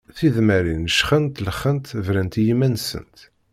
Tidmarin jxent lxent brant i yiman-nsent.